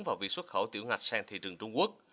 vào việc xuất khẩu tiểu ngạch sang thị trường trung quốc